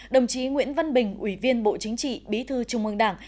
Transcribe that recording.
đồng chí nguyễn văn bình ủy viên bộ chính trị bí thư trung ương đảng